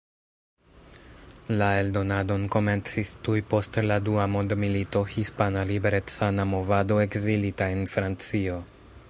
La eldonadon komencis tuj post la dua mondmilito Hispana Liberecana Movado ekzilita en Francio.